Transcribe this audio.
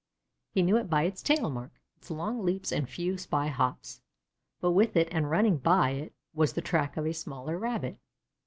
He knew it by its tail mark, its long leaps and few spy hops, but with it and running by it was the track of a smaller Rabbit.